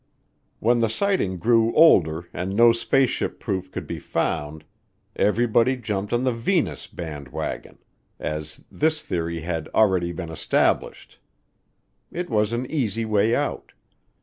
When the sighting grew older and no spaceship proof could be found, everybody jumped on the Venus band wagon, as this theory had "already been established." It was an easy way out.